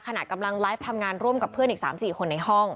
ขณะกำลังไลฟ์ทำงานร่วมกับเพื่อนอีก๓๔คนในห้อง